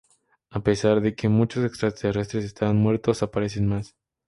A pesar de que muchos extraterrestre estaban muertos, aparecen más.